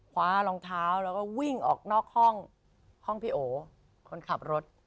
คว้ารองเท้าแล้วก็วิ่งออกนอกห้องพี่โอคนขับรถ